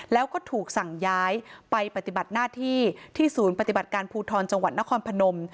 แล้วก็ถูกสั่งย้ายไปปฏิบัติหน้าที่ที่ศูนย์ปฏิบัติการภูทรจังหวัดนครพนม